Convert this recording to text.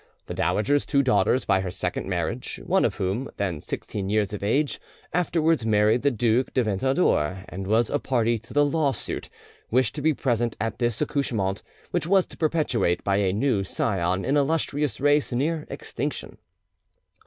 The dowager's two daughters by her second marriage, one of whom, then sixteen years of age, afterwards married the Duke de Ventadour and was a party to the lawsuit, wished to be present at this accouchement, which was to perpetuate by a new scion an illustrious race near extinction.